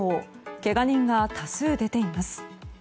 けが人が多数出ています。